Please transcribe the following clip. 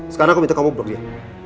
sekarang aku minta kamu blok ya